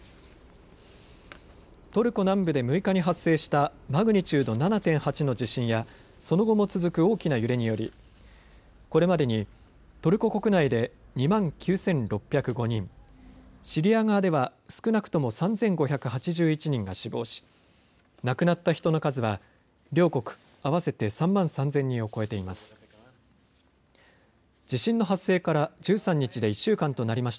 トルコ南部で６日に発生したマグニチュード７．８の地震やその後も続く大きな揺れによりこれまでにトルコ国内で２万９６０５人、シリア側では少なくとも３５８１人が死亡し亡くなった人の数は両国合わせて３万３０００人を超えています。